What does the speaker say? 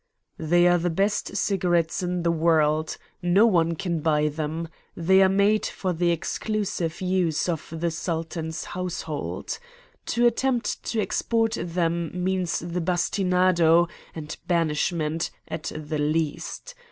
"They are the best cigarettes in the world. No one can buy them. They are made for the exclusive use of the Sultan's household. To attempt to export them means the bastinado and banishment, at the least.